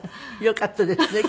よかったですね。